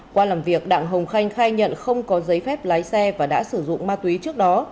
qua làm việc đặng hồng khanh khai nhận không có giấy phép lái xe và đã sử dụng ma túy trước đó